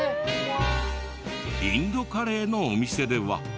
インドカレーのお店では。